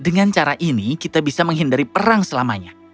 dengan cara ini kita bisa menghindari perang selamanya